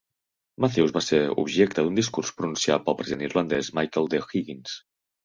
Matthews va ser objecte d'un discurs pronunciat pel president irlandès Michael D. Higgins.